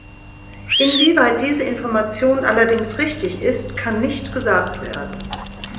Inwieweit diese Information allerdings richtig ist, kann nicht gesagt werden.